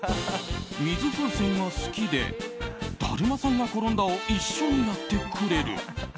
水風船が好きでだるまさんが転んだを一緒にやってくれる。